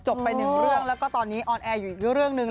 ไปหนึ่งเรื่องแล้วก็ตอนนี้ออนแอร์อยู่อีกเรื่องหนึ่ง